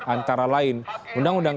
antara lain undang undang